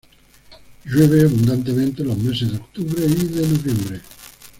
Llueve abundantemente en los meses de octubre y de noviembre.